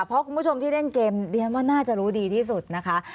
เพราะคุณผู้ชมที่เล่นเกมเรียนว่าน่าจะรู้ดีที่สุดนะคะ